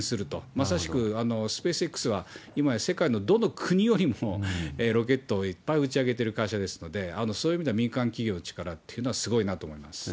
まさしくスペースＸは今や世界のどの国よりもロケットをいっぱい打ち上げてる会社ですので、そういう意味では民間企業の力っていうのはすごいなと思います。